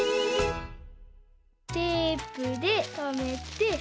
テープでとめて。